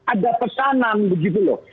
ada pesanan begitu loh